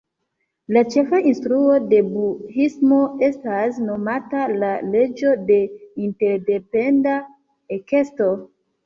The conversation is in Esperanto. La ĉefa instruo de budhismo estas nomata "la leĝo de interdependa ekesto".